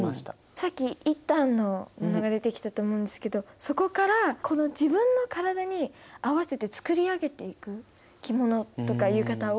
さっき一反の布が出てきたと思うんですけどそこからこの自分の体に合わせて作り上げていく着物とか浴衣を。